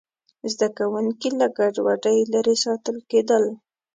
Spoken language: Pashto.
زده کوونکي له ګډوډۍ لرې ساتل کېدل.